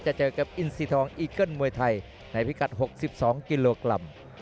จะเจอกับอินซีทองอีเกิ้ลมวยไทยในพิกัด๖๒กิโลกรัม